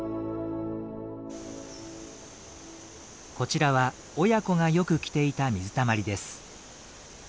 こちらは親子がよく来ていた水たまりです。